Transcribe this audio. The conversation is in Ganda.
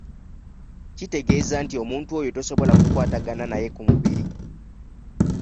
Kitegeeza nti omuntu oyo tosobola kukwatagana naye ku mubiri.